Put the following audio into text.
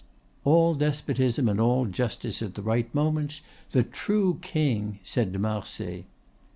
"All despotism and all justice at the right moments. The true king!" said de Marsay.